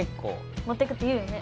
持ってくって言うよね